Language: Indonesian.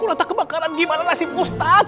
kok nantah kebakaran gimana lah si ustadz